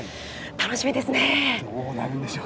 楽しみです。